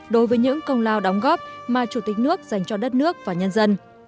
đối với những công lao đóng góp mà chủ tịch nước dành cho đất nước và nhân dân